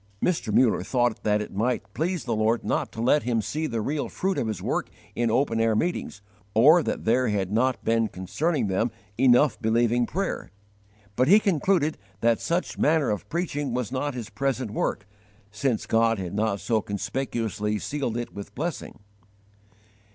Mr. Muller thought that it might please the Lord not to let him see the real fruit of his work in open air meetings, or that there had not been concerning them enough believing prayer; but he concluded that such manner of preaching was not his present work, since God had not so conspicuously sealed it with blessing.